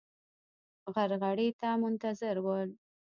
غرغړې ته منتظر ول.